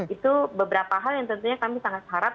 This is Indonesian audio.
itu beberapa hal yang tentunya kami sangat harap